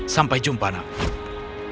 sampai jumpa naga